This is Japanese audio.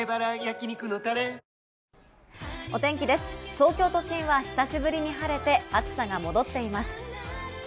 東京都心は久しぶりに晴れて暑さが戻っています。